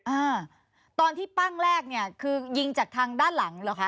อ่าตอนที่ปั้งแรกเนี่ยคือยิงจากทางด้านหลังเหรอคะ